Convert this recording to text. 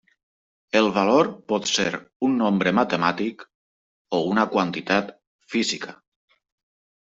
El valor pot ser un nombre matemàtic, o una quantitat física.